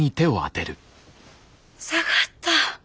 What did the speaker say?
下がった。